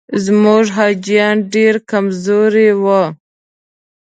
زموږ حاجیان ډېر کمزوري وو.